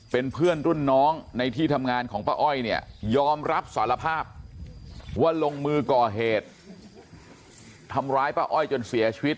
เป็นเพื่อนรุ่นน้องในที่ทำงานของป้าอ้อยเนี่ยยอมรับสารภาพว่าลงมือก่อเหตุทำร้ายป้าอ้อยจนเสียชีวิต